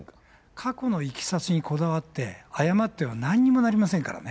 過去のいきさつにこだわって、誤ってはなんにもなりませんからね。